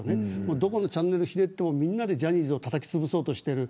どこのチャンネルを見てもみんなでジャニーズをたたきつぶそうとしている。